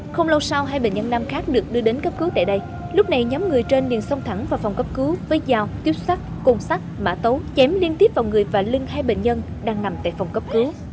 không lâu sau hai bệnh nhân nam khác được đưa đến cấp cứu tại đây lúc này nhóm người trên liền sông thẳng vào phòng cấp cứu với dao tuyếp sắt cùng sắt mã tấu chém liên tiếp vào người và lưng hai bệnh nhân đang nằm tại phòng cấp cứu